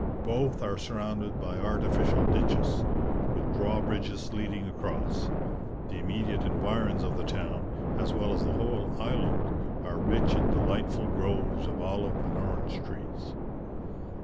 Both are surrounded by artificial ditches, with draw bridges leading across. The immediate environs of the town, as well as the whole island, are rich in delightful groves of olive and orange trees.